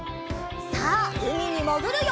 さあうみにもぐるよ！